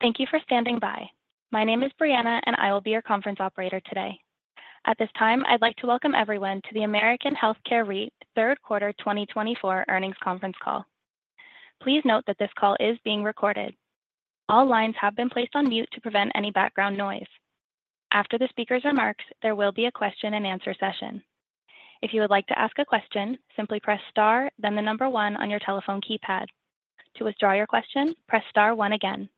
Thank you for standing by. My name is Briana, and I will be your conference operator today. At this time, I'd like to welcome everyone to the American Healthcare REIT third quarter 2024 earnings conference call. Please note that this call is being recorded. All lines have been placed on mute to prevent any background noise. After the speaker's remarks, there will be a question-and-answer session. If you would like to ask a question, simply press star, then the number one on your telephone keypad. To withdraw your question, press star one again.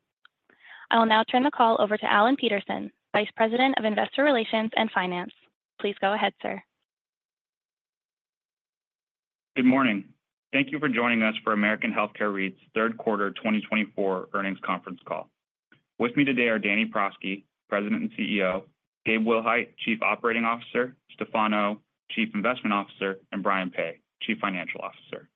I will now turn the call over to Alan Peterson, Vice President of Investor Relations and Finance. Please go ahead, sir. Good morning. Thank you for joining us for American Healthcare REIT's third quarter 2024 earnings conference call. With me today are Danny Prosky, President and CEO, Gabe Willhite, Chief Operating Officer, Stefan Oh, Chief Investment Officer, and Brian Peay, Chief Financial Officer.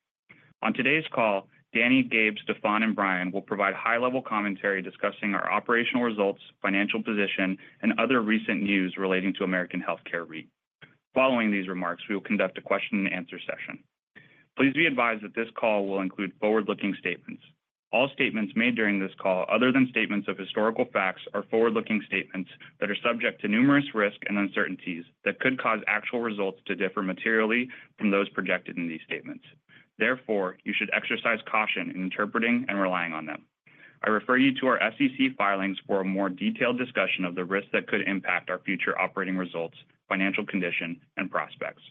On today's call, Danny, Gabe, Stefan, and Brian will provide high-level commentary discussing our operational results, financial position, and other recent news relating to American Healthcare REIT. Following these remarks, we will conduct a question-and-answer session. Please be advised that this call will include forward-looking statements. All statements made during this call, other than statements of historical facts, are forward-looking statements that are subject to numerous risks and uncertainties that could cause actual results to differ materially from those projected in these statements. Therefore, you should exercise caution in interpreting and relying on them. I refer you to our SEC filings for a more detailed discussion of the risks that could impact our future operating results, financial condition, and prospects.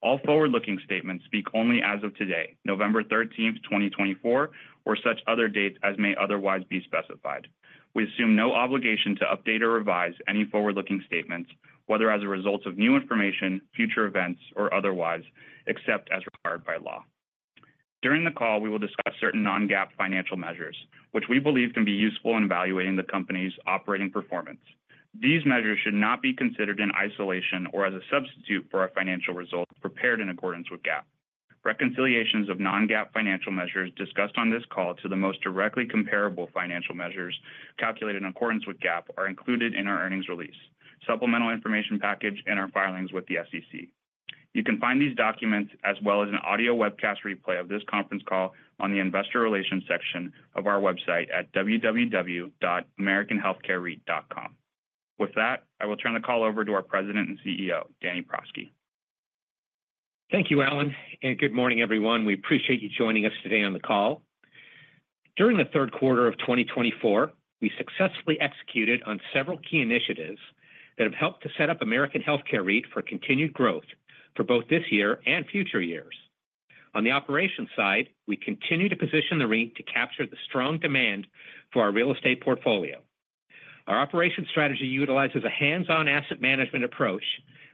All forward-looking statements speak only as of today, November 13, 2024, or such other dates as may otherwise be specified. We assume no obligation to update or revise any forward-looking statements, whether as a result of new information, future events, or otherwise, except as required by law. During the call, we will discuss certain non-GAAP financial measures, which we believe can be useful in evaluating the company's operating performance. These measures should not be considered in isolation or as a substitute for a financial result prepared in accordance with GAAP. Reconciliations of non-GAAP financial measures discussed on this call to the most directly comparable financial measures calculated in accordance with GAAP are included in our earnings release, supplemental information package, and our filings with the SEC. You can find these documents as well as an audio webcast replay of this conference call on the Investor Relations section of our website at www.americanhealthcarereit.com. With that, I will turn the call over to our President and CEO, Danny Prosky. Thank you, Alan, and good morning, everyone. We appreciate you joining us today on the call. During the third quarter of 2024, we successfully executed on several key initiatives that have helped to set up American Healthcare REIT for continued growth for both this year and future years. On the operations side, we continue to position the REIT to capture the strong demand for our real estate portfolio. Our operations strategy utilizes a hands-on asset management approach,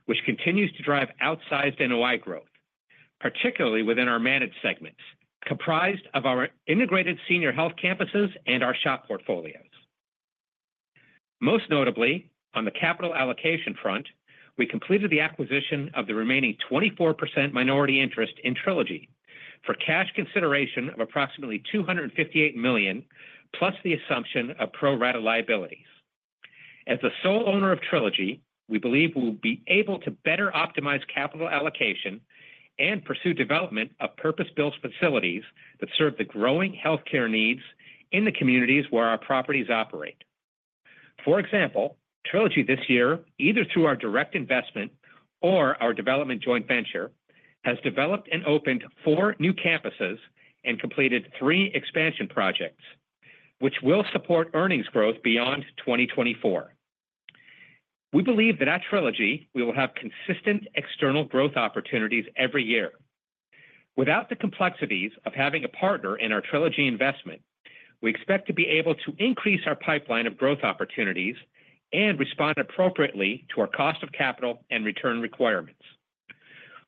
which continues to drive outsized NOI growth, particularly within our managed segments, comprised of our integrated senior health campuses and our SHOP portfolios. Most notably, on the capital allocation front, we completed the acquisition of the remaining 24% minority interest in Trilogy for cash consideration of approximately $258 million, plus the assumption of pro-rata liabilities. As the sole owner of Trilogy, we believe we will be able to better optimize capital allocation and pursue development of purpose-built facilities that serve the growing healthcare needs in the communities where our properties operate. For example, Trilogy this year, either through our direct investment or our development joint venture, has developed and opened four new campuses and completed three expansion projects, which will support earnings growth beyond 2024. We believe that at Trilogy, we will have consistent external growth opportunities every year. Without the complexities of having a partner in our Trilogy investment, we expect to be able to increase our pipeline of growth opportunities and respond appropriately to our cost of capital and return requirements.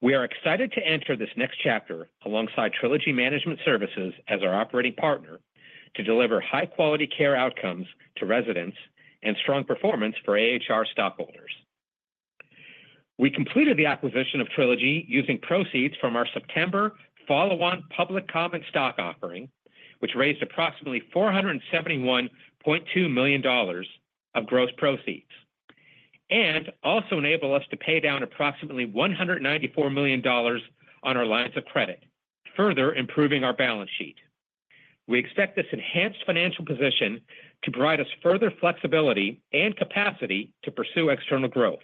We are excited to enter this next chapter alongside Trilogy Management Services as our operating partner to deliver high-quality care outcomes to residents and strong performance for AHR stockholders. We completed the acquisition of Trilogy using proceeds from our September follow-on public common stock offering, which raised approximately $471.2 million of gross proceeds, and also enabled us to pay down approximately $194 million on our lines of credit, further improving our balance sheet. We expect this enhanced financial position to provide us further flexibility and capacity to pursue external growth.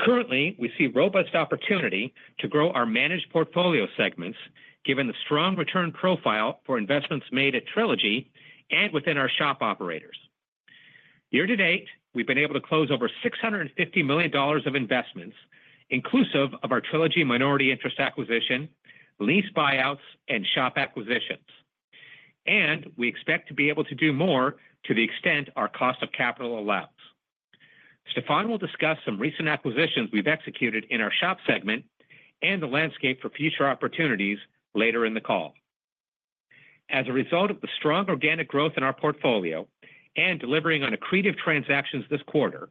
Currently, we see robust opportunity to grow our managed portfolio segments, given the strong return profile for investments made at Trilogy and within our SHOP operators. Year to date, we've been able to close over $650 million of investments, inclusive of our Trilogy minority interest acquisition, lease buyouts, and SHOP acquisitions, and we expect to be able to do more to the extent our cost of capital allows. Stefan will discuss some recent acquisitions we've executed in our SHOP segment and the landscape for future opportunities later in the call. As a result of the strong organic growth in our portfolio and delivering on accretive transactions this quarter,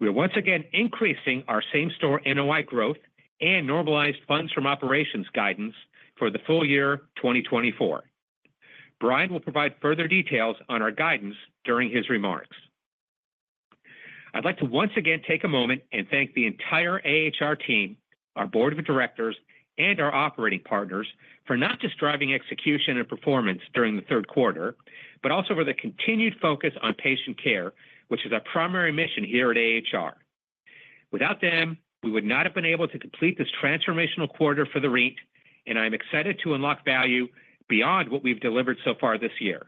we are once again increasing our same-store NOI growth and normalized funds from operations guidance for the full year 2024. Brian will provide further details on our guidance during his remarks. I'd like to once again take a moment and thank the entire AHR team, our board of directors, and our operating partners for not just driving execution and performance during the third quarter, but also for the continued focus on patient care, which is our primary mission here at AHR. Without them, we would not have been able to complete this transformational quarter for the REIT, and I'm excited to unlock value beyond what we've delivered so far this year.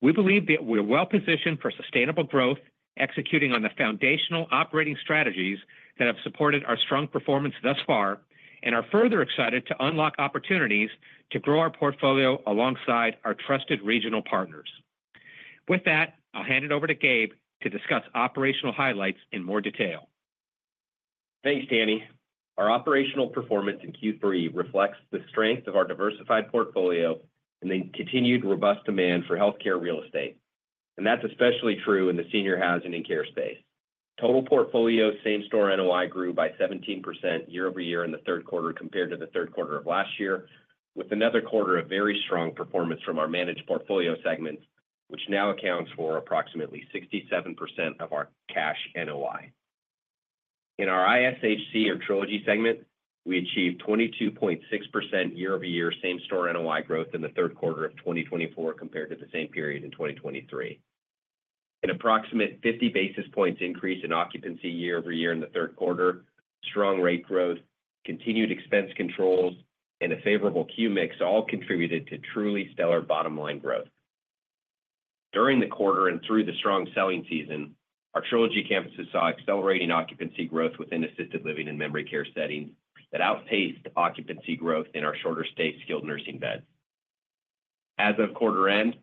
We believe that we're well-positioned for sustainable growth, executing on the foundational operating strategies that have supported our strong performance thus far, and are further excited to unlock opportunities to grow our portfolio alongside our trusted regional partners. With that, I'll hand it over to Gabe to discuss operational highlights in more detail. Thanks, Danny. Our operational performance in Q3 reflects the strength of our diversified portfolio and the continued robust demand for healthcare real estate. And that's especially true in the senior housing and care space. Total portfolio same-store NOI grew by 17% year-over-year in the third quarter compared to the third quarter of last year, with another quarter of very strong performance from our managed portfolio segments, which now accounts for approximately 67% of our cash NOI. In our ISHC or Trilogy segment, we achieved 22.6% year-over-year same-store NOI growth in the third quarter of 2024 compared to the same period in 2023. An approximate 50 basis points increase in occupancy year-over-year in the third quarter, strong rate growth, continued expense controls, and a favorable Q-mix all contributed to truly stellar bottom-line growth. During the quarter and through the strong selling season, our Trilogy campuses saw accelerating occupancy growth within assisted living and memory care settings that outpaced occupancy growth in our shorter-stay skilled nursing beds. As of quarter end,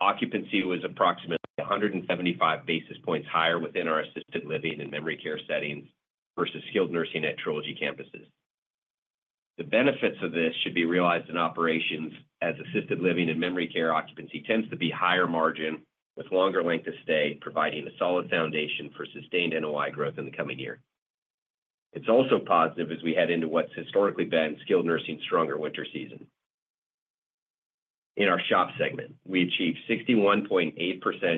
occupancy was approximately 175 basis points higher within our assisted living and memory care settings versus skilled nursing at Trilogy campuses. The benefits of this should be realized in operations as assisted living and memory care occupancy tends to be higher margin with longer length of stay, providing a solid foundation for sustained NOI growth in the coming year. It's also positive as we head into what's historically been skilled nursing's stronger winter season. In our SHOP segment, we achieved 61.8%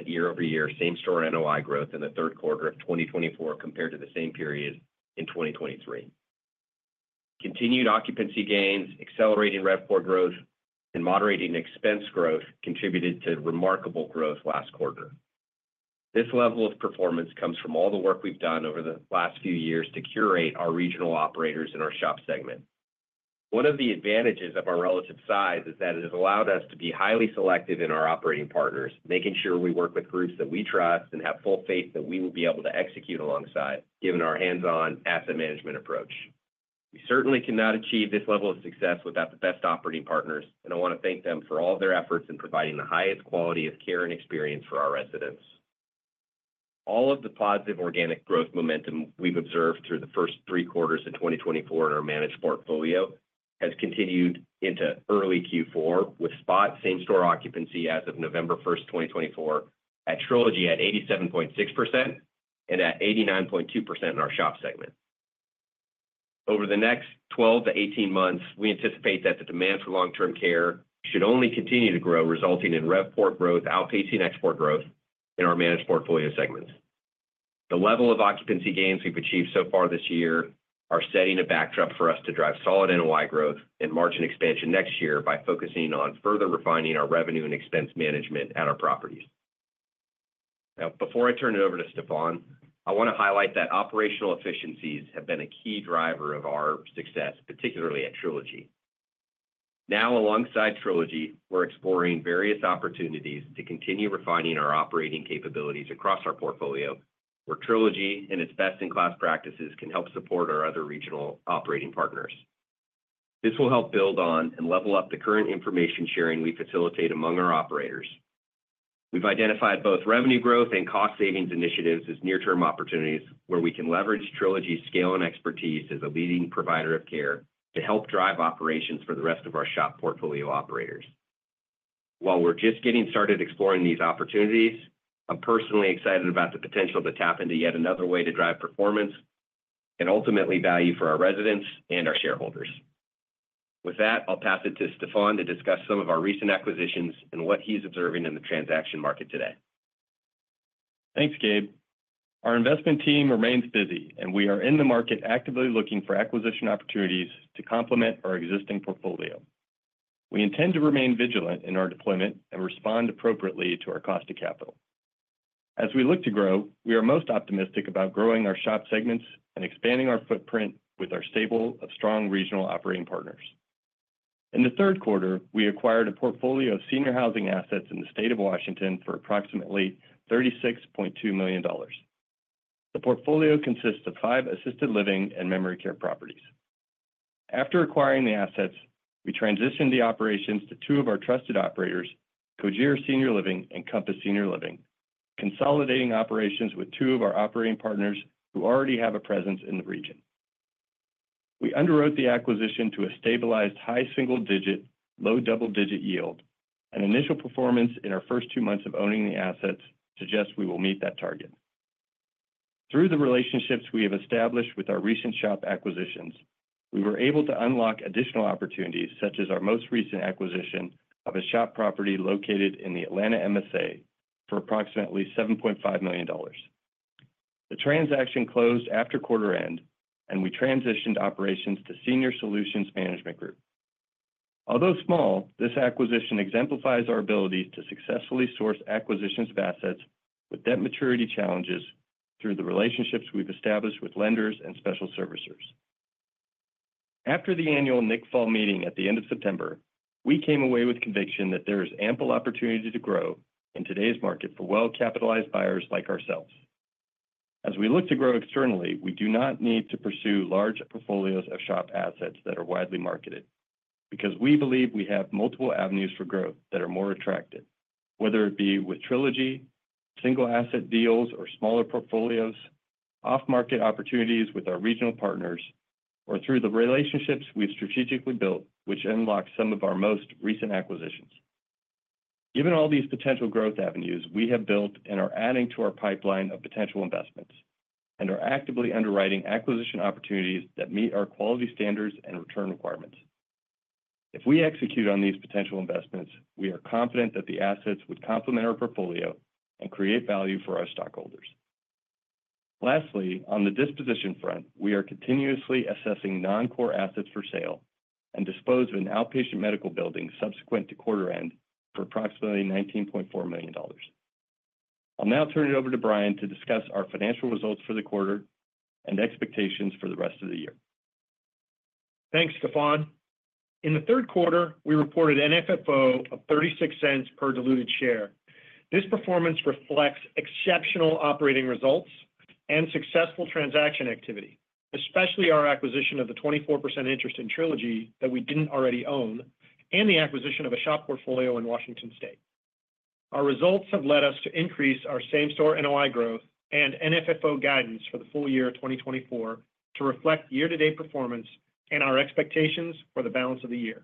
year-over-year same-store NOI growth in the third quarter of 2024 compared to the same period in 2023. Continued occupancy gains, accelerating RevPOR growth, and moderating expense growth contributed to remarkable growth last quarter. This level of performance comes from all the work we've done over the last few years to curate our regional operators in our SHOP segment. One of the advantages of our relative size is that it has allowed us to be highly selective in our operating partners, making sure we work with groups that we trust and have full faith that we will be able to execute alongside, given our hands-on asset management approach. We certainly cannot achieve this level of success without the best operating partners, and I want to thank them for all of their efforts in providing the highest quality of care and experience for our residents. All of the positive organic growth momentum we've observed through the first three quarters of 2024 in our managed portfolio has continued into early Q4 with spot same-store occupancy as of November 1, 2024, at Trilogy at 87.6% and at 89.2% in our SHOP segment. Over the next 12–18 months, we anticipate that the demand for long-term care should only continue to grow, resulting in RevPOR growth outpacing ExpPOR growth in our managed portfolio segments. The level of occupancy gains we've achieved so far this year are setting a backdrop for us to drive solid NOI growth and margin expansion next year by focusing on further refining our revenue and expense management at our properties. Now, before I turn it over to Stefan, I want to highlight that operational efficiencies have been a key driver of our success, particularly at Trilogy. Now, alongside Trilogy, we're exploring various opportunities to continue refining our operating capabilities across our portfolio, where Trilogy and its best-in-class practices can help support our other regional operating partners. This will help build on and level up the current information sharing we facilitate among our operators. We've identified both revenue growth and cost savings initiatives as near-term opportunities where we can leverage Trilogy's scale and expertise as a leading provider of care to help drive operations for the rest of our SHOP portfolio operators. While we're just getting started exploring these opportunities, I'm personally excited about the potential to tap into yet another way to drive performance and ultimately value for our residents and our shareholders. With that, I'll pass it to Stefan to discuss some of our recent acquisitions and what he's observing in the transaction market today. Thanks, Gabe. Our investment team remains busy, and we are in the market actively looking for acquisition opportunities to complement our existing portfolio. We intend to remain vigilant in our deployment and respond appropriately to our cost of capital. As we look to grow, we are most optimistic about growing our SHOP segments and expanding our footprint with our stable of strong regional operating partners. In the third quarter, we acquired a portfolio of senior housing assets in the state of Washington for approximately $36.2 million. The portfolio consists of five assisted living and memory care properties. After acquiring the assets, we transitioned the operations to two of our trusted operators, Cogir Senior Living and Compass Senior Living, consolidating operations with two of our operating partners who already have a presence in the region. We underwrote the acquisition to a stabilized high single-digit, low double-digit yield, and initial performance in our first two months of owning the assets suggests we will meet that target. Through the relationships we have established with our recent SHOP acquisitions, we were able to unlock additional opportunities, such as our most recent acquisition of a SHOP property located in the Atlanta MSA for approximately $7.5 million. The transaction closed after quarter end, and we transitioned operations to Senior Solutions Management Group. Although small, this acquisition exemplifies our ability to successfully source acquisitions of assets with debt maturity challenges through the relationships we've established with lenders and special servicers. After the annual NIC Fall meeting at the end of September, we came away with conviction that there is ample opportunity to grow in today's market for well-capitalized buyers like ourselves. As we look to grow externally, we do not need to pursue large portfolios of SHOP assets that are widely marketed because we believe we have multiple avenues for growth that are more attractive, whether it be with Trilogy, single-asset deals or smaller portfolios, off-market opportunities with our regional partners, or through the relationships we've strategically built, which unlock some of our most recent acquisitions. Given all these potential growth avenues, we have built and are adding to our pipeline of potential investments and are actively underwriting acquisition opportunities that meet our quality standards and return requirements. If we execute on these potential investments, we are confident that the assets would complement our portfolio and create value for our stockholders. Lastly, on the disposition front, we are continuously assessing non-core assets for sale and dispose of an outpatient medical building subsequent to quarter end for approximately $19.4 million. I'll now turn it over to Brian to discuss our financial results for the quarter and expectations for the rest of the year. Thanks, Stefan. In the third quarter, we reported an FFO of $0.36 per diluted share. This performance reflects exceptional operating results and successful transaction activity, especially our acquisition of the 24% interest in Trilogy that we didn't already own and the acquisition of a SHOP portfolio in Washington State. Our results have led us to increase our same-store NOI growth and NFFO guidance for the full year 2024 to reflect year-to-date performance and our expectations for the balance of the year.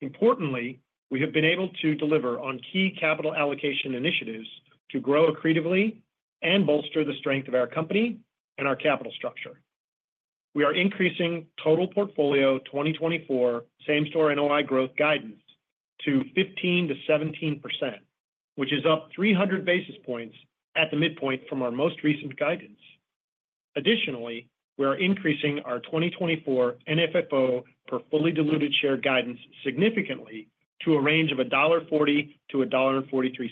Importantly, we have been able to deliver on key capital allocation initiatives to grow accretively and bolster the strength of our company and our capital structure. We are increasing total portfolio 2024 same-store NOI growth guidance to 15%–17%, which is up 300 basis points at the midpoint from our most recent guidance. Additionally, we are increasing our 2024 NFFO per fully diluted share guidance significantly to a range of $1.40–$1.43.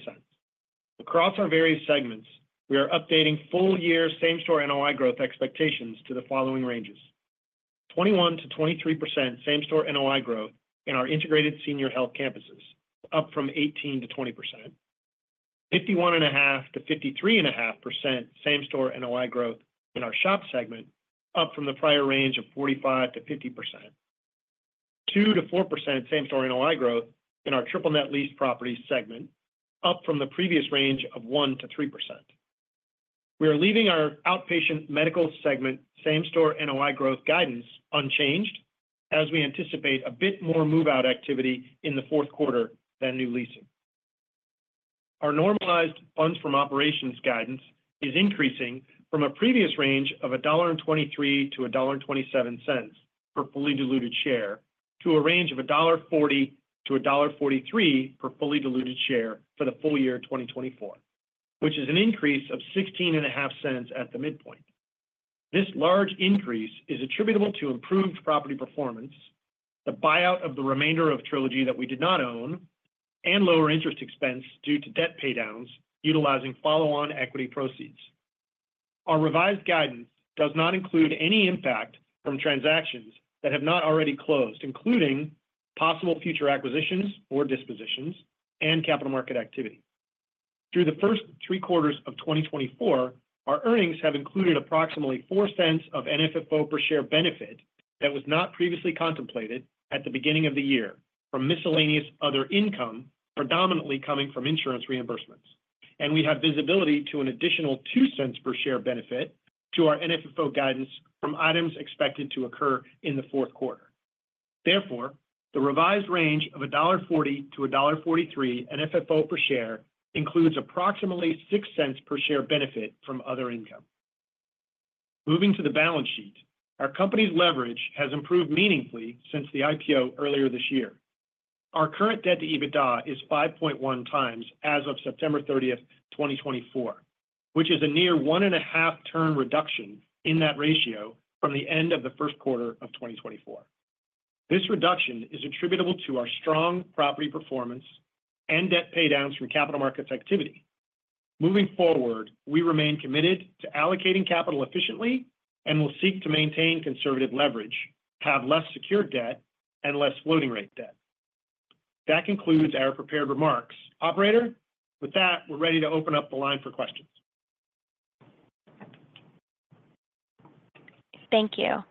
Across our various segments, we are updating full-year same-store NOI growth expectations to the following ranges: 21%–23% same-store NOI growth in our integrated senior health campuses, up from 18%-20%. 51.5%-53.5% same-store NOI growth in our SHOP segment, up from the prior range of 45%–50%. 2%–4% same-store NOI growth in our triple-net lease properties segment, up from the previous range of 1%-3%. We are leaving our outpatient medical segment same-store NOI growth guidance unchanged as we anticipate a bit more move-out activity in the fourth quarter than new leasing. Our normalized funds from operations guidance is increasing from a previous range of $1.23–$1.27 per fully diluted share to a range of $1.40–$1.43 per fully diluted share for the full year 2024, which is an increase of $0.165 at the midpoint. This large increase is attributable to improved property performance, the buyout of the remainder of Trilogy that we did not own, and lower interest expense due to debt paydowns utilizing follow-on equity proceeds. Our revised guidance does not include any impact from transactions that have not already closed, including possible future acquisitions or dispositions and capital market activity. Through the first three quarters of 2024, our earnings have included approximately $0.04 of NFFO per share benefit that was not previously contemplated at the beginning of the year from miscellaneous other income predominantly coming from insurance reimbursements. We have visibility to an additional $0.02 per share benefit to our NFFO guidance from items expected to occur in the fourth quarter. Therefore, the revised range of $1.40-$1.43 NFFO per share includes approximately $0.06 per share benefit from other income. Moving to the balance sheet, our company's leverage has improved meaningfully since the IPO earlier this year. Our current debt to EBITDA is 5.1x as of September 30, 2024, which is a near one-and-a-half-turn reduction in that ratio from the end of the first quarter of 2024. This reduction is attributable to our strong property performance and debt paydowns from capital markets activity. Moving forward, we remain committed to allocating capital efficiently and will seek to maintain conservative leverage, have less secured debt, and less floating-rate debt. That concludes our prepared remarks. Operator, with that, we're ready to open up the line for questions. Thank you.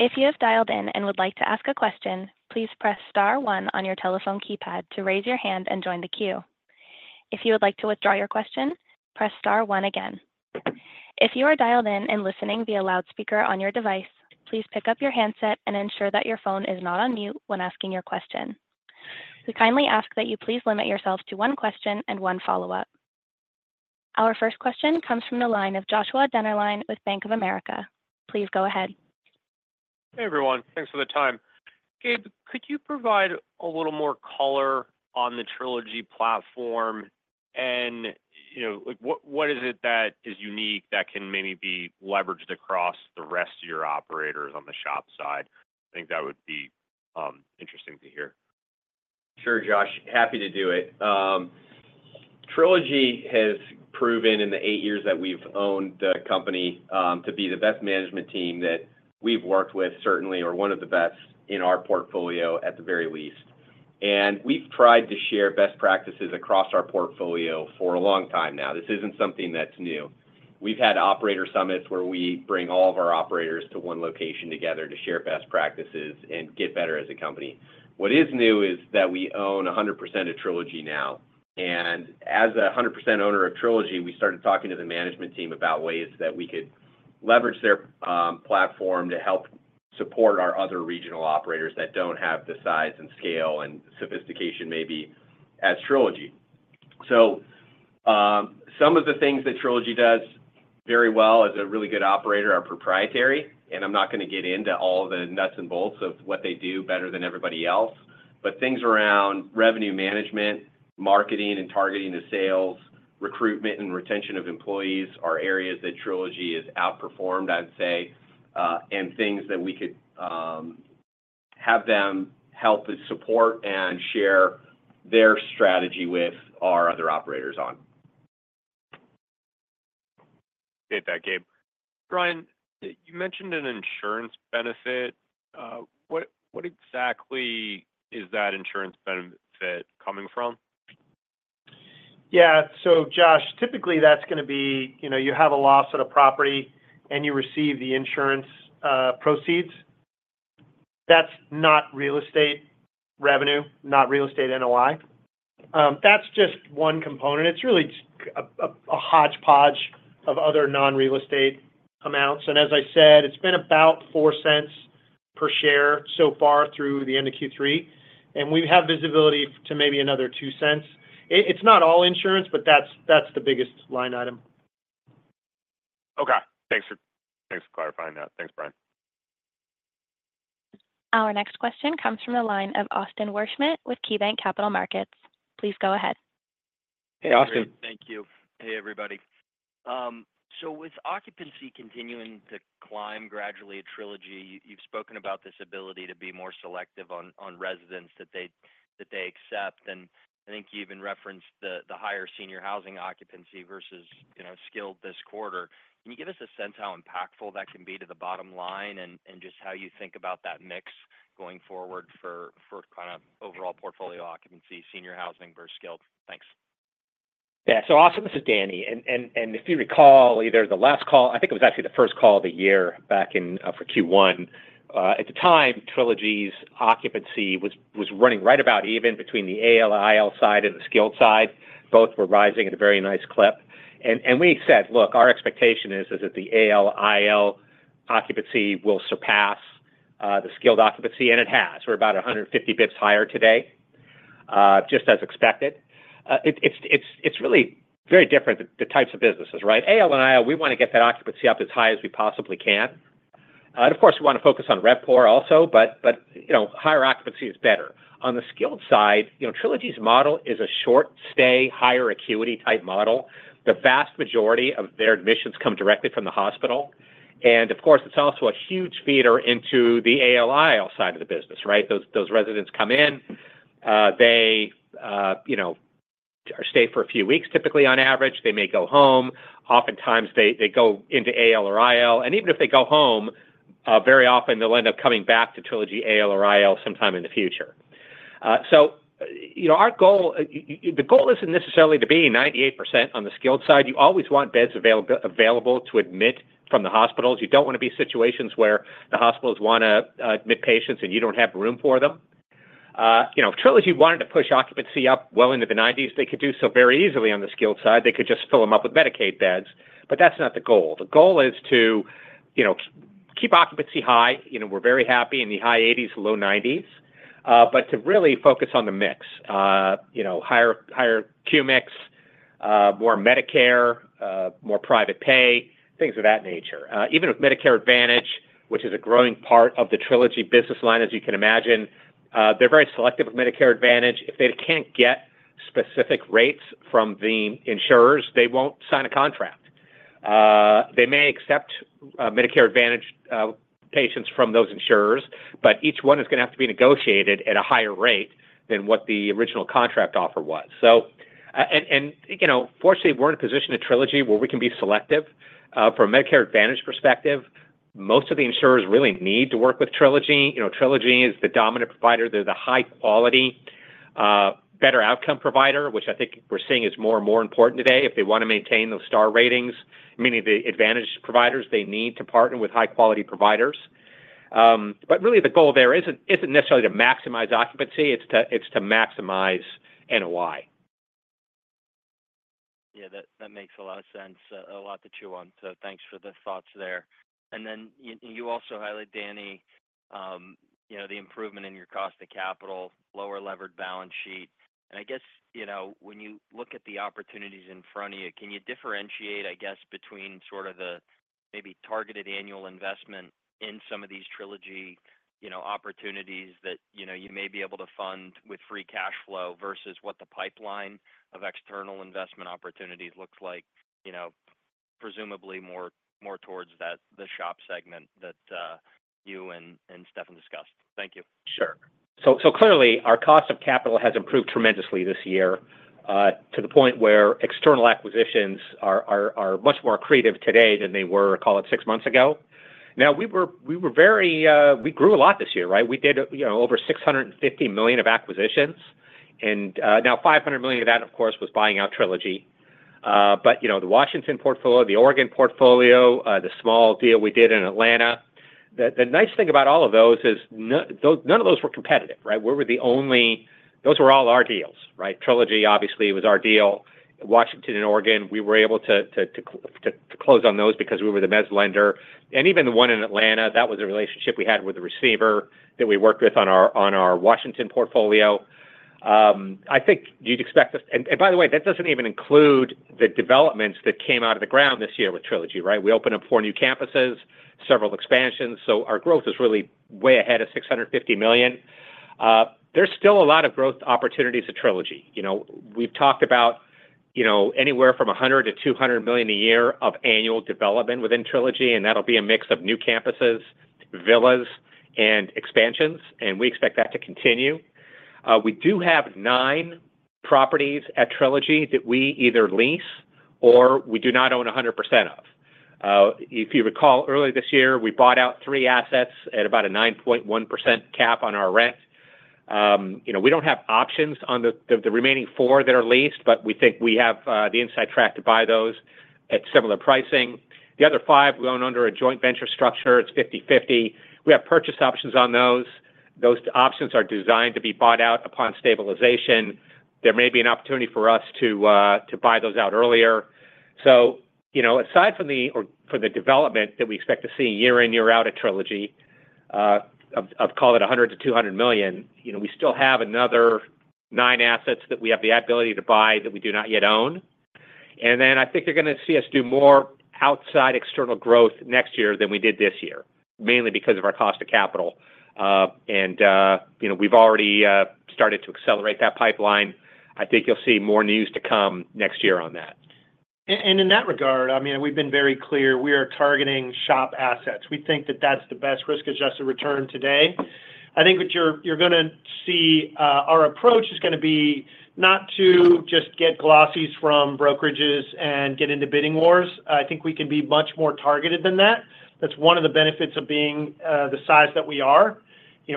If you have dialed in and would like to ask a question, please press star one on your telephone keypad to raise your hand and join the queue. If you would like to withdraw your question, press star one again. If you are dialed in and listening via loudspeaker on your device, please pick up your handset and ensure that your phone is not on mute when asking your question. We kindly ask that you please limit yourself to one question and one follow-up. Our first question comes from the line of Joshua Dennerlein with Bank of America. Please go ahead. Hey, everyone. Thanks for the time. Gabe, could you provide a little more color on the Trilogy platform and what is it that is unique that can maybe be leveraged across the rest of your operators on the SHOP side? I think that would be interesting to hear. Sure, Josh. Happy to do it. Trilogy has proven, in the eight years that we've owned the company, to be the best management team that we've worked with, certainly, or one of the best in our portfolio, at the very least. And we've tried to share best practices across our portfolio for a long time now. This isn't something that's new. We've had operator summits where we bring all of our operators to one location together to share best practices and get better as a company. What is new is that we own 100% of Trilogy now. And as a 100% owner of Trilogy, we started talking to the management team about ways that we could leverage their platform to help support our other regional operators that don't have the size and scale and sophistication maybe as Trilogy. So some of the things that Trilogy does very well as a really good operator are proprietary, and I'm not going to get into all the nuts and bolts of what they do better than everybody else. But things around revenue management, marketing, and targeting the sales, recruitment, and retention of employees are areas that Trilogy has outperformed, I'd say, and things that we could have them help and support and share their strategy with our other operators on. I hate that, Gabe. Brian, you mentioned an insurance benefit. What exactly is that insurance benefit coming from? Yeah. So, Josh, typically, that's going to be you have a loss at a property and you receive the insurance proceeds. That's not real estate revenue, not real estate NOI. That's just one component. It's really a hodgepodge of other non-real estate amounts. And as I said, it's been about $0.04 per share so far through the end of Q3. And we have visibility to maybe another $0.02. It's not all insurance, but that's the biggest line item. Okay. Thanks for clarifying that. Thanks, Brian. Our next question comes from the line of Austin Wurschmidt with KeyBanc Capital Markets. Please go ahead. Hey, Austin. Hey, thank you. Hey, everybody. So with occupancy continuing to climb gradually at Trilogy, you've spoken about this ability to be more selective on residents that they accept. And I think you even referenced the higher senior housing occupancy versus skilled this quarter. Can you give us a sense how impactful that can be to the bottom line and just how you think about that mix going forward for kind of overall portfolio occupancy, senior housing versus skilled? Thanks. Yeah, so Austin, this is Danny and if you recall, either the last call, I think it was actually the first call of the year back in for Q1, at the time, Trilogy's occupancy was running right about even between the AL/IL side and the skilled side. Both were rising at a very nice clip, and we said, "Look, our expectation is that the AL/IL occupancy will surpass the skilled occupancy," and it has. We're about 150 basis points higher today, just as expected. It's really very different, the types of businesses, right? AL and IL, we want to get that occupancy up as high as we possibly can, and of course, we want to focus on revPOR also, but higher occupancy is better. On the skilled side, Trilogy's model is a short-stay, higher acuity type model. The vast majority of their admissions come directly from the hospital. Of course, it's also a huge feeder into the AL/IL side of the business, right? Those residents come in, they stay for a few weeks, typically, on average. They may go home. Oftentimes, they go into AL or IL. And even if they go home, very often, they'll end up coming back to Trilogy AL or IL sometime in the future. The goal isn't necessarily to be 98% on the skilled side. You always want beds available to admit from the hospitals. You don't want to be in situations where the hospitals want to admit patients and you don't have room for them. If Trilogy wanted to push occupancy up well into the 90s, they could do so very easily on the skilled side. They could just fill them up with Medicaid beds. That's not the goal. The goal is to keep occupancy high. We're very happy in the high 80s%, low 90s%, but to really focus on the mix: higher Q-mix, more Medicare, more private pay, things of that nature. Even with Medicare Advantage, which is a growing part of the Trilogy business line, as you can imagine, they're very selective with Medicare Advantage. If they can't get specific rates from the insurers, they won't sign a contract. They may accept Medicare Advantage patients from those insurers, but each one is going to have to be negotiated at a higher rate than what the original contract offer was. And fortunately, we're in a position at Trilogy where we can be selective. From a Medicare Advantage perspective, most of the insurers really need to work with Trilogy. Trilogy is the dominant provider. They're the high-quality, better outcome provider, which I think we're seeing is more and more important today. If they want to maintain those star ratings, meaning the advantage providers, they need to partner with high-quality providers. But really, the goal there isn't necessarily to maximize occupancy. It's to maximize NOI. Yeah. That makes a lot of sense, a lot that you want. So thanks for the thoughts there. And then you also highlight, Danny, the improvement in your cost of capital, lower levered balance sheet. And I guess when you look at the opportunities in front of you, can you differentiate, I guess, between sort of the maybe targeted annual investment in some of these Trilogy opportunities that you may be able to fund with free cash flow versus what the pipeline of external investment opportunities looks like, presumably more towards the SHOP segment that you and Stefan discussed? Thank you. Sure. So clearly, our cost of capital has improved tremendously this year to the point where external acquisitions are much more attractive today than they were, call it, six months ago. Now, we grew a lot this year, right? We did over $650 million of acquisitions. And now, $500 million of that, of course, was buying out Trilogy. But the Washington portfolio, the Oregon portfolio, the small deal we did in Atlanta, the nice thing about all of those is none of those were competitive, right? We were the only. Those were all our deals, right? Trilogy, obviously, was our deal. Washington and Oregon, we were able to close on those because we were the mezzanine lender. And even the one in Atlanta, that was a relationship we had with the receiver that we worked with on our Washington portfolio. I think you'd expect us and by the way, that doesn't even include the developments that came out of the ground this year with Trilogy, right? We opened up four new campuses, several expansions. So our growth is really way ahead of $650 million. There's still a lot of growth opportunities at Trilogy. We've talked about anywhere from $100 million–$200 million a year of annual development within Trilogy, and that'll be a mix of new campuses, villas, and expansions. And we expect that to continue. We do have nine properties at Trilogy that we either lease or we do not own 100% of. If you recall, earlier this year, we bought out three assets at about a 9.1% cap on our rent. We don't have options on the remaining four that are leased, but we think we have the inside track to buy those at similar pricing. The other five, we own under a joint venture structure. It's 50/50. We have purchase options on those. Those options are designed to be bought out upon stabilization. There may be an opportunity for us to buy those out earlier. So aside from the development that we expect to see year in, year out at Trilogy, of, call it, $100 million–$200 million, we still have another nine assets that we have the ability to buy that we do not yet own. And then I think they're going to see us do more outside external growth next year than we did this year, mainly because of our cost of capital. And we've already started to accelerate that pipeline. I think you'll see more news to come next year on that. In that regard, I mean, we've been very clear. We are targeting SHOP assets. We think that that's the best risk-adjusted return today. I think what you're going to see, our approach is going to be not to just get lists from brokerages and get into bidding wars. I think we can be much more targeted than that. That's one of the benefits of being the size that we are.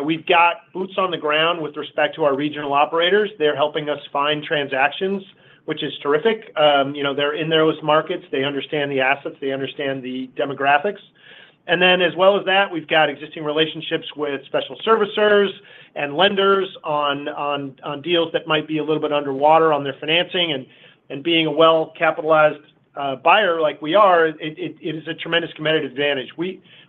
We've got boots on the ground with respect to our regional operators. They're helping us find transactions, which is terrific. They're in those markets. They understand the assets. They understand the demographics. And then as well as that, we've got existing relationships with special servicers and lenders on deals that might be a little bit underwater on their financing. And being a well-capitalized buyer like we are, it is a tremendous competitive advantage.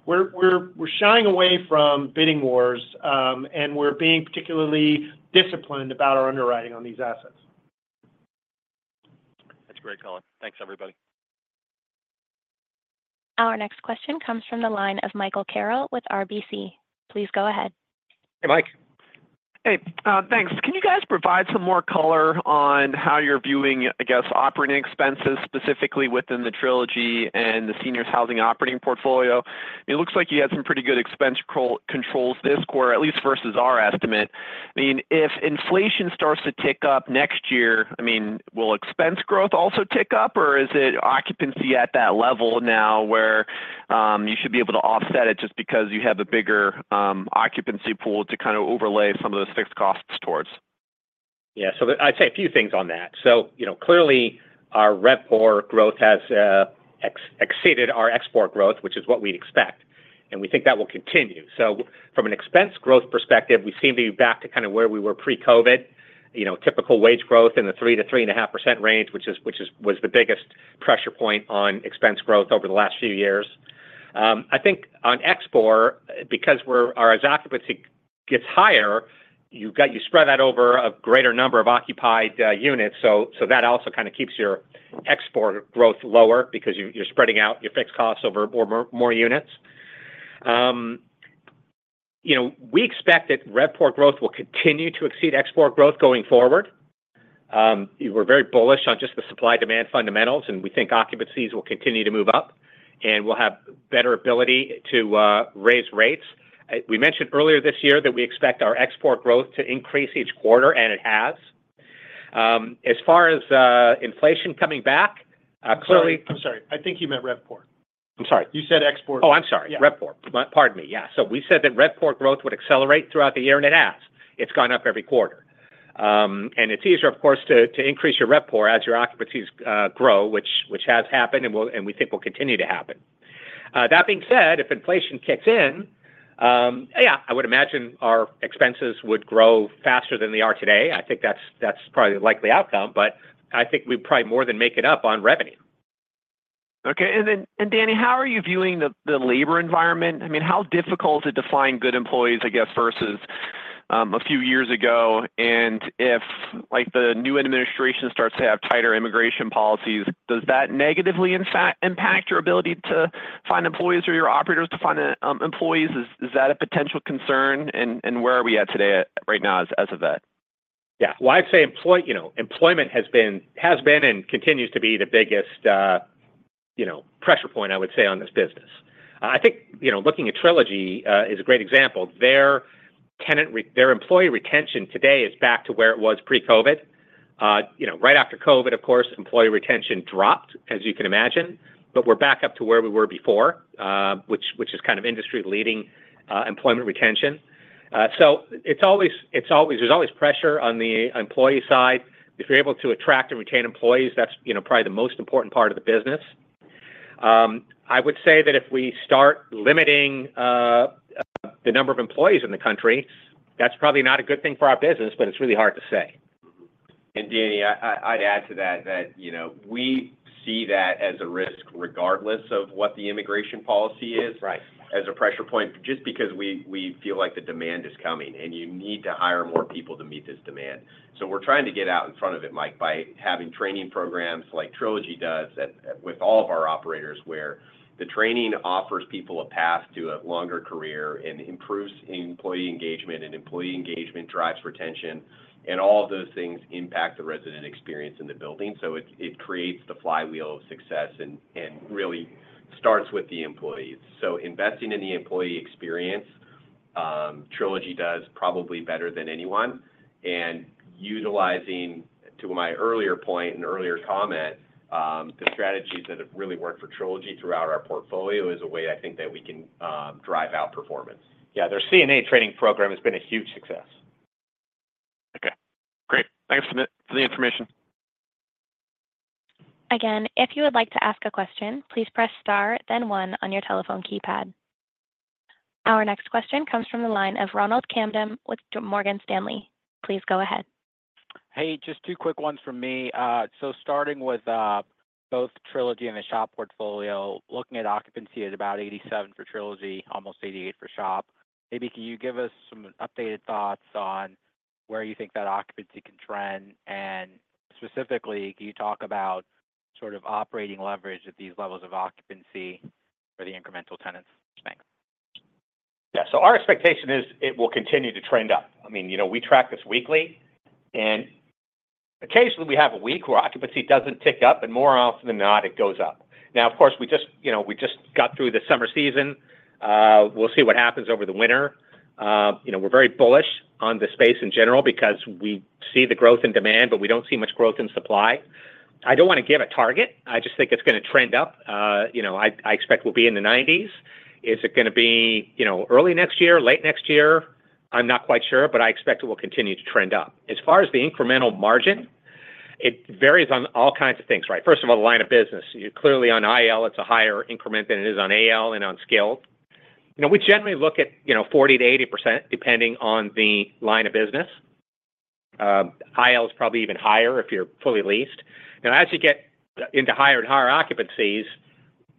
We're shying away from bidding wars, and we're being particularly disciplined about our underwriting on these assets. That's great, Colin. Thanks, everybody. Our next question comes from the line of Michael Carroll with RBC. Please go ahead. Hey, Mike. Hey. Thanks. Can you guys provide some more color on how you're viewing, I guess, operating expenses, specifically within the Trilogy and the Senior Housing Operating Portfolio? I mean, it looks like you had some pretty good expense controls this quarter, at least versus our estimate. I mean, if inflation starts to tick up next year, I mean, will expense growth also tick up, or is it occupancy at that level now where you should be able to offset it just because you have a bigger occupancy pool to kind of overlay some of those fixed costs towards? Yeah, so I'd say a few things on that, so clearly, our revPOR growth has exceeded our ExpPOR growth, which is what we'd expect, and we think that will continue, so from an expense growth perspective, we seem to be back to kind of where we were pre-COVID, typical wage growth in the 3%-3.5% range, which was the biggest pressure point on expense growth over the last few years. I think on ExpPOR, because our occupancy gets higher, you spread that over a greater number of occupied units, so that also kind of keeps your ExpPOR growth lower because you're spreading out your fixed costs over more units. We expect that revPOR growth will continue to exceed ExpPOR growth going forward. We're very bullish on just the supply-demand fundamentals, and we think occupancies will continue to move up, and we'll have better ability to raise rates. We mentioned earlier this year that we expect our ExpPOR growth to increase each quarter, and it has. As far as inflation coming back, clearly. I'm sorry. I think you meant RevPOR. I'm sorry. You said ExpPOR. Oh, I'm sorry. RevPOR. Pardon me. Yeah. So we said that RevPOR growth would accelerate throughout the year, and it has. It's gone up every quarter, and it's easier, of course, to increase your RevPOR as your occupancies grow, which has happened and we think will continue to happen. That being said, if inflation kicks in, yeah, I would imagine our expenses would grow faster than they are today. I think that's probably the likely outcome, but I think we'd probably more than make it up on revenue. Okay. And Danny, how are you viewing the labor environment? I mean, how difficult is it to find good employees, I guess, versus a few years ago? And if the new administration starts to have tighter immigration policies, does that negatively impact your ability to find employees or your operators to find employees? Is that a potential concern? And where are we at today right now as of that? Yeah, well, I'd say employment has been and continues to be the biggest pressure point, I would say, on this business. I think looking at Trilogy is a great example. Their employee retention today is back to where it was pre-COVID. Right after COVID, of course, employee retention dropped, as you can imagine, but we're back up to where we were before, which is kind of industry-leading employment retention. So there's always pressure on the employee side. If you're able to attract and retain employees, that's probably the most important part of the business. I would say that if we start limiting the number of employees in the country, that's probably not a good thing for our business, but it's really hard to say. And Danny, I'd add to that that we see that as a risk regardless of what the immigration policy is, as a pressure point, just because we feel like the demand is coming and you need to hire more people to meet this demand. So we're trying to get out in front of it, Mike, by having training programs like Trilogy does with all of our operators, where the training offers people a path to a longer career and improves employee engagement, and employee engagement drives retention. And all of those things impact the resident experience in the building. So it creates the flywheel of success and really starts with the employees. So investing in the employee experience, Trilogy does probably better than anyone. Utilizing, to my earlier point and earlier comment, the strategies that have really worked for Trilogy throughout our portfolio is a way, I think, that we can drive out performance. Yeah. Their CNA training program has been a huge success. Okay. Great. Thanks for the information. Again, if you would like to ask a question, please press star, then 1 on your telephone keypad. Our next question comes from the line of Ronald Kamdem with Morgan Stanley. Please go ahead. Hey, just two quick ones from me. So starting with both Trilogy and the SHOP portfolio, looking at occupancy at about 87% for Trilogy, almost 88% for SHOP. Maybe can you give us some updated thoughts on where you think that occupancy can trend? And specifically, can you talk about sort of operating leverage at these levels of occupancy for the incremental tenants? Thanks. Yeah, so our expectation is it will continue to trend up. I mean, we track this weekly, and occasionally, we have a week where occupancy doesn't tick up, and more often than not, it goes up. Now, of course, we just got through the summer season. We'll see what happens over the winter. We're very bullish on the space in general because we see the growth in demand, but we don't see much growth in supply. I don't want to give a target. I just think it's going to trend up. I expect we'll be in the 90s. Is it going to be early next year, late next year? I'm not quite sure, but I expect it will continue to trend up. As far as the incremental margin, it varies on all kinds of things, right? First of all, the line of business. Clearly, on IL, it's a higher increment than it is on AL and on skilled. We generally look at 40%–80% depending on the line of business. IL is probably even higher if you're fully leased. Now, as you get into higher and higher occupancies,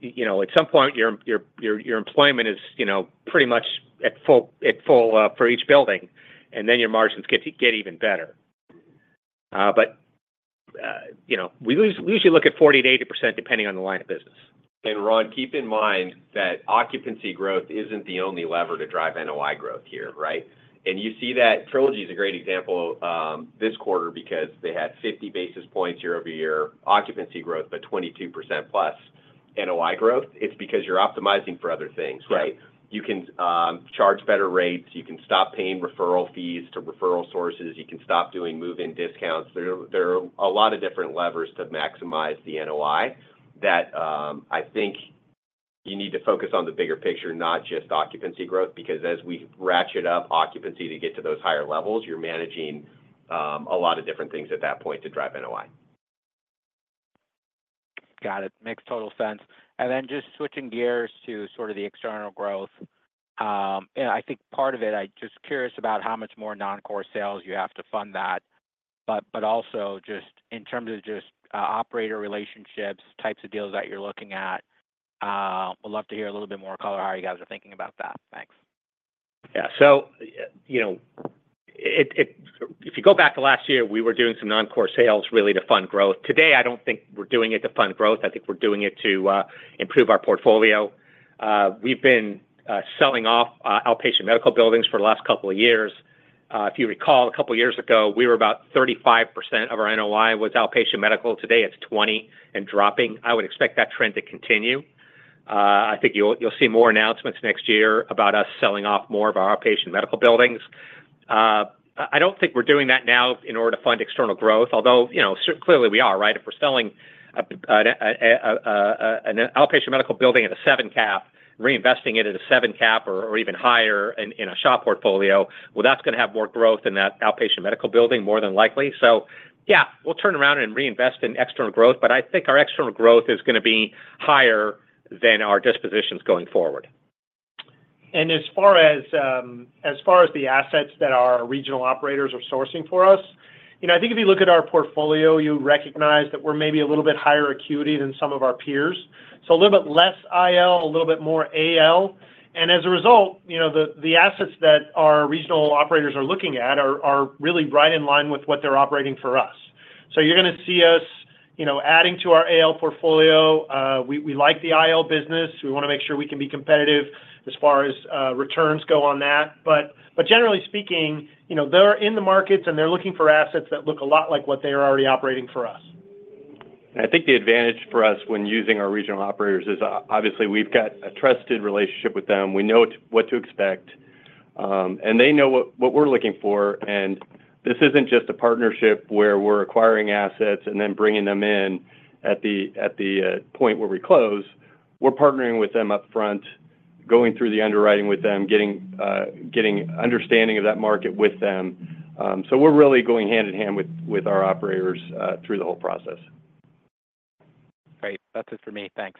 at some point, your employment is pretty much at full for each building, and then your margins get even better. But we usually look at 40%–80% depending on the line of business. Ron, keep in mind that occupancy growth isn't the only lever to drive NOI growth here, right? And you see that Trilogy is a great example this quarter because they had 50 basis points year-over-year occupancy growth, but 22% plus NOI growth. It's because you're optimizing for other things, right? You can charge better rates. You can stop paying referral fees to referral sources. You can stop doing move-in discounts. There are a lot of different levers to maximize the NOI that I think you need to focus on the bigger picture, not just occupancy growth, because as we ratchet up occupancy to get to those higher levels, you're managing a lot of different things at that point to drive NOI. Got it. Makes total sense. And then just switching gears to sort of the external growth, I think part of it, I'm just curious about how much more non-core sales you have to fund that, but also just in terms of just operator relationships, types of deals that you're looking at. We'd love to hear a little bit more color how you guys are thinking about that. Thanks. Yeah. So if you go back to last year, we were doing some non-core sales really to fund growth. Today, I don't think we're doing it to fund growth. I think we're doing it to improve our portfolio. We've been selling off outpatient medical buildings for the last couple of years. If you recall, a couple of years ago, we were about 35% of our NOI was outpatient medical. Today, it's 20% and dropping. I would expect that trend to continue. I think you'll see more announcements next year about us selling off more of our outpatient medical buildings. I don't think we're doing that now in order to fund external growth, although clearly we are, right? If we're selling an outpatient medical building at a seven cap, reinvesting it at a seven cap or even higher in a SHOP portfolio, well, that's going to have more growth in that outpatient medical building more than likely. So yeah, we'll turn around and reinvest in external growth, but I think our external growth is going to be higher than our dispositions going forward. As far as the assets that our regional operators are sourcing for us, I think if you look at our portfolio, you recognize that we're maybe a little bit higher acuity than some of our peers. So a little bit less IL, a little bit more AL. And as a result, the assets that our regional operators are looking at are really right in line with what they're operating for us. So you're going to see us adding to our AL portfolio. We like the IL business. We want to make sure we can be competitive as far as returns go on that. But generally speaking, they're in the markets, and they're looking for assets that look a lot like what they are already operating for us. I think the advantage for us when using our regional operators is obviously we've got a trusted relationship with them. We know what to expect, and they know what we're looking for, and this isn't just a partnership where we're acquiring assets and then bringing them in at the point where we close. We're partnering with them upfront, going through the underwriting with them, getting understanding of that market with them, so we're really going hand in hand with our operators through the whole process. Great. That's it for me. Thanks.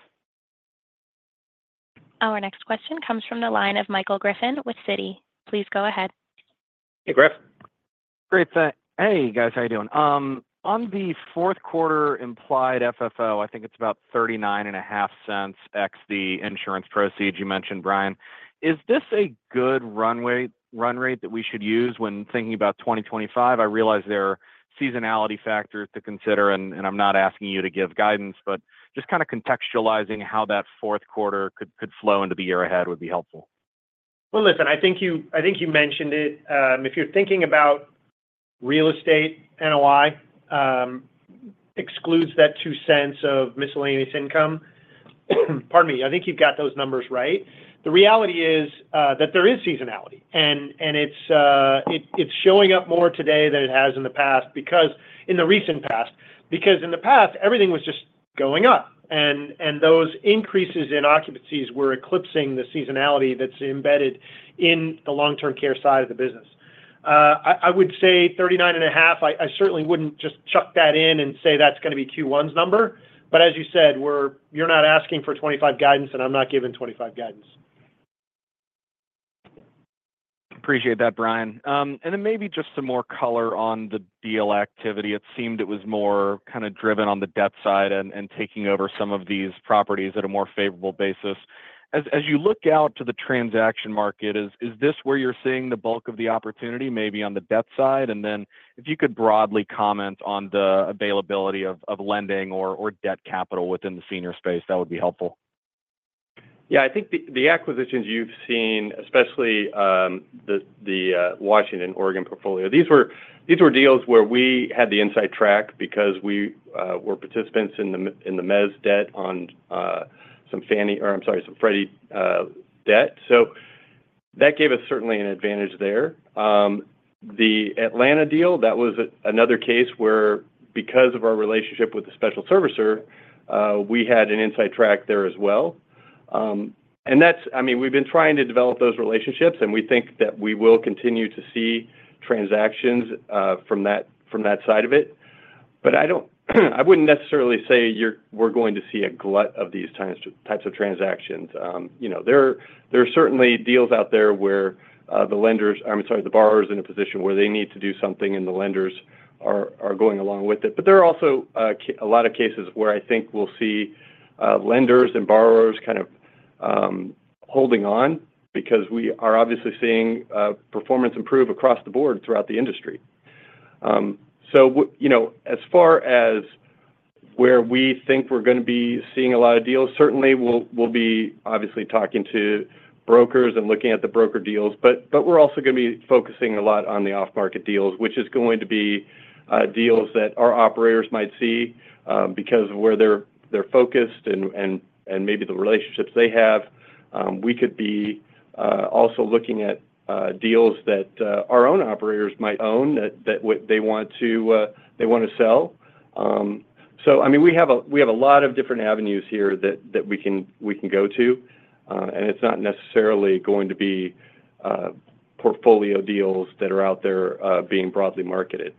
Our next question comes from the line of Michael Griffin with Citi. Please go ahead. Hey, Griff. Hey, guys. How are you doing? On the fourth quarter implied FFO, I think it's about $0.395 ex the insurance proceeds you mentioned, Brian. Is this a good run rate that we should use when thinking about 2025? I realize there are seasonality factors to consider, and I'm not asking you to give guidance, but just kind of contextualizing how that fourth quarter could flow into the year ahead would be helpful. Listen, I think you mentioned it. If you're thinking about real estate, NOI excludes that $0.02 of miscellaneous income. Pardon me. I think you've got those numbers right. The reality is that there is seasonality, and it's showing up more today than it has in the past in the recent past because in the past, everything was just going up, and those increases in occupancies were eclipsing the seasonality that's embedded in the long-term care side of the business. I would say 39.5. I certainly wouldn't just chuck that in and say that's going to be Q1's number. But as you said, you're not asking for 25 guidance, and I'm not giving 25 guidance. Appreciate that, Brian. And then maybe just some more color on the deal activity. It seemed it was more kind of driven on the debt side and taking over some of these properties at a more favorable basis. As you look out to the transaction market, is this where you're seeing the bulk of the opportunity maybe on the debt side? And then if you could broadly comment on the availability of lending or debt capital within the senior space, that would be helpful. Yeah. I think the acquisitions you've seen, especially the Washington and Oregon portfolio, these were deals where we had the inside track because we were participants in the mezz debt on some Fannie or I'm sorry, some Freddie debt. So that gave us certainly an advantage there. The Atlanta deal, that was another case where, because of our relationship with the special servicer, we had an inside track there as well. And I mean, we've been trying to develop those relationships, and we think that we will continue to see transactions from that side of it. But I wouldn't necessarily say we're going to see a glut of these types of transactions. There are certainly deals out there where the lenders, I'm sorry, the borrowers, in a position where they need to do something, and the lenders are going along with it. There are also a lot of cases where I think we'll see lenders and borrowers kind of holding on because we are obviously seeing performance improve across the board throughout the industry. As far as where we think we're going to be seeing a lot of deals, certainly we'll be obviously talking to brokers and looking at the broker deals. But we're also going to be focusing a lot on the off-market deals, which is going to be deals that our operators might see because of where they're focused and maybe the relationships they have. We could be also looking at deals that our own operators might own that they want to sell. I mean, we have a lot of different avenues here that we can go to, and it's not necessarily going to be portfolio deals that are out there being broadly marketed.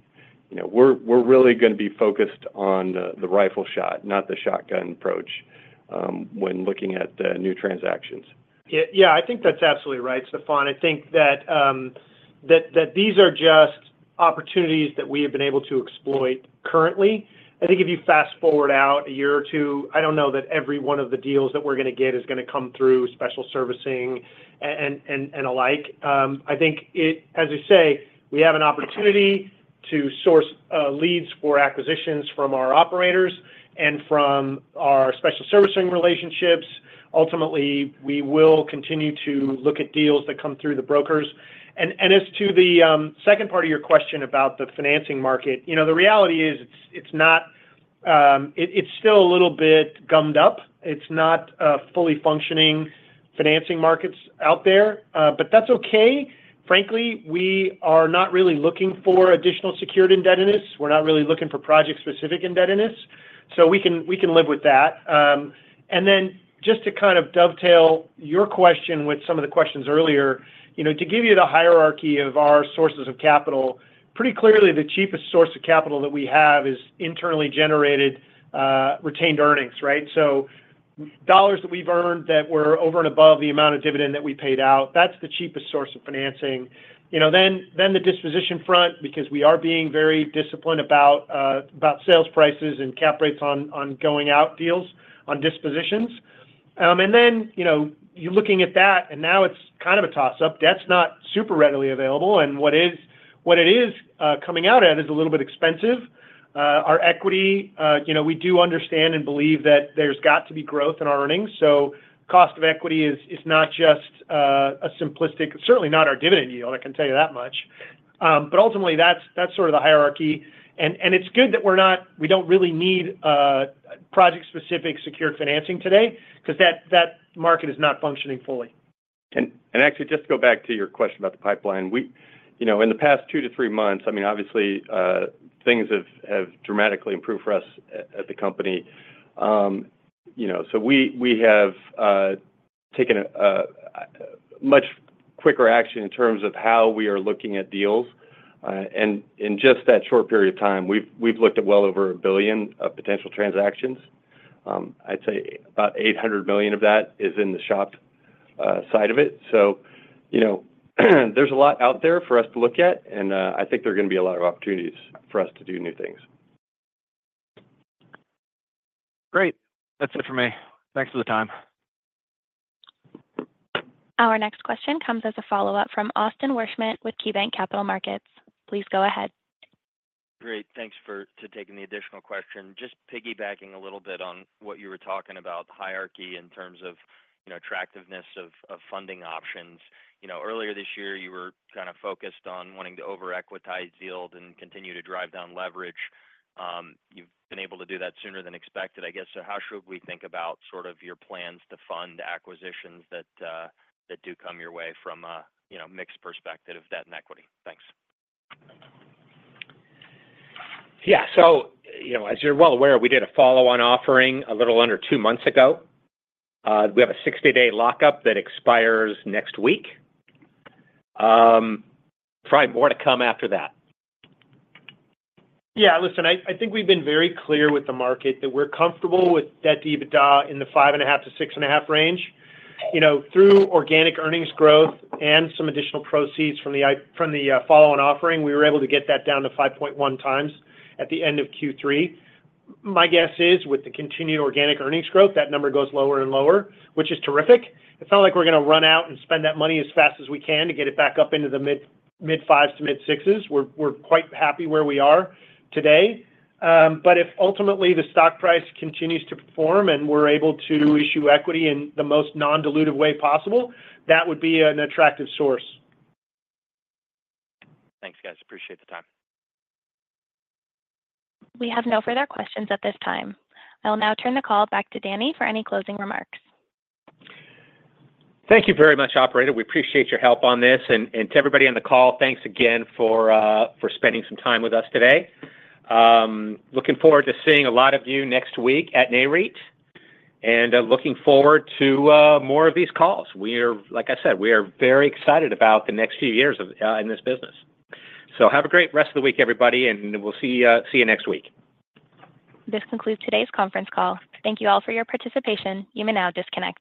We're really going to be focused on the rifle shot, not the shotgun approach when looking at the new transactions. Yeah. I think that's absolutely right, Stefan. I think that these are just opportunities that we have been able to exploit currently. I think if you fast forward out a year or two, I don't know that every one of the deals that we're going to get is going to come through special servicing and alike. I think, as I say, we have an opportunity to source leads for acquisitions from our operators and from our special servicing relationships. Ultimately, we will continue to look at deals that come through the brokers, and as to the second part of your question about the financing market, the reality is it's still a little bit gummed up. It's not a fully functioning financing market out there, but that's okay. Frankly, we are not really looking for additional secured indebtedness. We're not really looking for project-specific indebtedness, so we can live with that. And then just to kind of dovetail your question with some of the questions earlier, to give you the hierarchy of our sources of capital, pretty clearly, the cheapest source of capital that we have is internally generated retained earnings, right? So dollars that we've earned that were over and above the amount of dividend that we paid out, that's the cheapest source of financing. Then the disposition front, because we are being very disciplined about sales prices and cap rates on going out deals on dispositions. And then you're looking at that, and now it's kind of a toss-up. Debt's not super readily available, and what it is coming out at is a little bit expensive. Our equity, we do understand and believe that there's got to be growth in our earnings. So cost of equity is not just a simplistic, certainly not our dividend yield, I can tell you that much. But ultimately, that's sort of the hierarchy. And it's good that we don't really need project-specific secured financing today because that market is not functioning fully. Actually, just to go back to your question about the pipeline, in the past two to three months, I mean, obviously, things have dramatically improved for us at the company. So we have taken a much quicker action in terms of how we are looking at deals. And in just that short period of time, we've looked at well over $1 billion of potential transactions. I'd say about $800 million of that is in the SHOP side of it. So there's a lot out there for us to look at, and I think there are going to be a lot of opportunities for us to do new things. Great. That's it for me. Thanks for the time. Our next question comes as a follow-up from Austin Wurschmidt with KeyBank Capital Markets. Please go ahead. Great. Thanks for taking the additional question. Just piggybacking a little bit on what you were talking about, the hierarchy in terms of attractiveness of funding options. Earlier this year, you were kind of focused on wanting to over-equitize yield and continue to drive down leverage. You've been able to do that sooner than expected, I guess. So how should we think about sort of your plans to fund acquisitions that do come your way from a mixed perspective of debt and equity? Thanks. Yeah. So as you're well aware, we did a follow-on offering a little under two months ago. We have a 60-day lockup that expires next week. Probably more to come after that. Yeah. Listen, I think we've been very clear with the market that we're comfortable with debt/EBITDA in the 5.5–6.5 range. Through organic earnings growth and some additional proceeds from the follow-on offering, we were able to get that down to 5.1x at the end of Q3. My guess is with the continued organic earnings growth, that number goes lower and lower, which is terrific. It's not like we're going to run out and spend that money as fast as we can to get it back up into the mid-5s to mid-6s. We're quite happy where we are today. But if ultimately the stock price continues to perform and we're able to issue equity in the most non-dilutive way possible, that would be an attractive source. Thanks, guys. Appreciate the time. We have no further questions at this time. I will now turn the call back to Danny for any closing remarks. Thank you very much, operator. We appreciate your help on this, and to everybody on the call, thanks again for spending some time with us today. Looking forward to seeing a lot of you next week at NAREIT and looking forward to more of these calls. Like I said, we are very excited about the next few years in this business, so have a great rest of the week, everybody, and we'll see you next week. This concludes today's conference call. Thank you all for your participation. You may now disconnect.